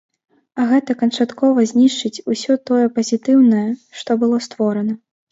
А гэта канчаткова знішчыць усё тое пазітыўнае, што было створана.